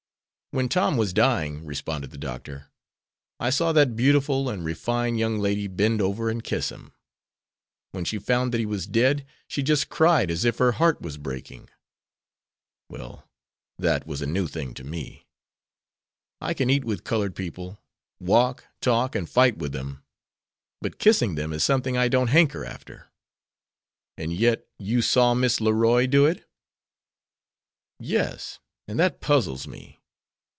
"When Tom was dying," responded the doctor, "I saw that beautiful and refined young lady bend over and kiss him. When she found that he was dead, she just cried as if her heart was breaking. Well, that was a new thing to me. I can eat with colored people, walk, talk, and fight with them, but kissing them is something I don't hanker after." "And yet you saw Miss Leroy do it?" "Yes; and that puzzles me.